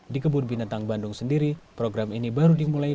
di kebun binatang bandung sendiri program ini baru dimulai